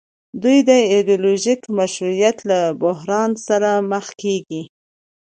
دوی د ایډیولوژیک مشروعیت له بحران سره مخ کیږي.